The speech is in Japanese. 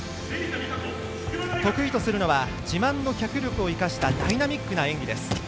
得意とするのは自慢の脚力を生かしたダイナミックな演技です。